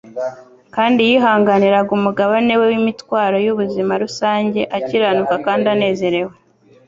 kandi yihanganiraga umugabane we w'imitwaro y'ubuzima rusange akiranuka kandi anezerewe.